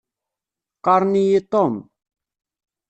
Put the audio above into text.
Qqaṛen-iyi Tom.